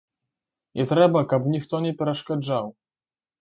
І трэба, каб ніхто не перашкаджаў.